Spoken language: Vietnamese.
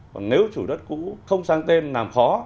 và nếu chủ đất cũ không sang tên làm khó